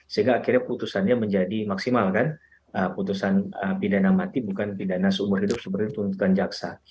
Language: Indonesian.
sehingga akhirnya putusannya menjadi maksimal kan putusan pidana mati bukan pidana seumur hidup seperti tuntutan jaksa